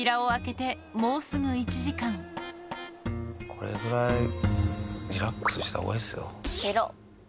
これぐらいリラックスした方がいいですよ。